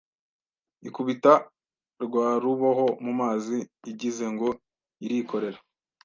Ikubita rwa ruboho mu mazi Igize ngo irikorera